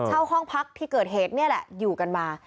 ห้องพักที่เกิดเหตุนี่แหละอยู่กันมา